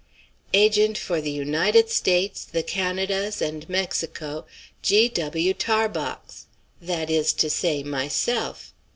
agent for the United States, the Canadas, and Mexico, G. W. Tarbox," that is to say, myself.'